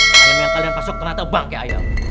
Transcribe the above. ayam yang kalian pasok ternyata bangke ayam